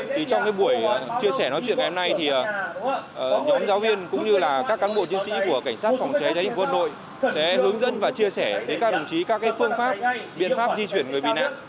thì trong cái buổi chia sẻ nói chuyện ngày hôm nay thì nhóm giáo viên cũng như là các cán bộ chiến sĩ của cảnh sát phòng cháy cháy của quân đội sẽ hướng dẫn và chia sẻ đến các đồng chí các cái phương pháp biện pháp di chuyển người bị nạn